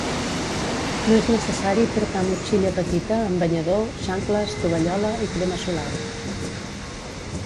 No és necessari portar motxilla petita amb banyador, xancles, tovallola i crema solar.